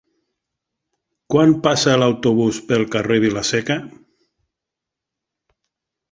Quan passa l'autobús pel carrer Vila-seca?